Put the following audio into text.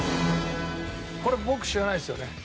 これ僕知らないですよね？